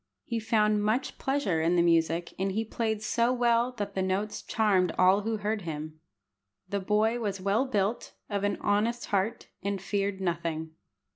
He found much pleasure in the music, and he played so well that the notes charmed all who heard him. The boy was well built, of an honest heart, and feared nothing.